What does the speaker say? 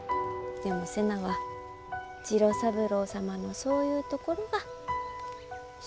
でも瀬名は次郎三郎様のそういうところが好。